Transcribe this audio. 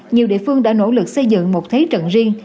nhiều địa phương đã nỗ lực xây dựng một thế trận riêng